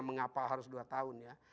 mengapa harus dua tahun ya